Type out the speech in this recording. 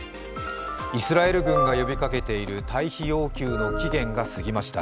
イスラエル軍が呼びかけている退避要求の期限が過ぎました。